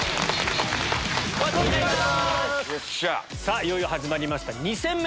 いよいよ始まりました。